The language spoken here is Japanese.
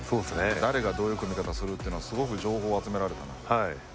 誰がどういう組み方するっていうのはすごく情報を集められたなと。